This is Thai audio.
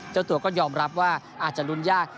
เจ้าตัวก็ยอมรับว่าอาจจะลุ้นยาก